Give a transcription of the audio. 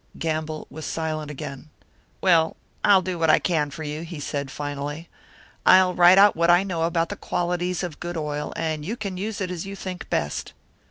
Gamble was silent again. "Well, I'll do what I can for you," he said, finally. "I'll write out what I know about the qualities of good oil, and you can use it as you think best."